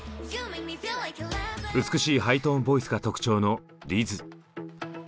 美しいハイトーンボイスが特徴のリズ。